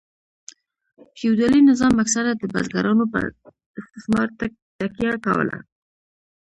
فیوډالي نظام اکثره د بزګرانو په استثمار تکیه کوله.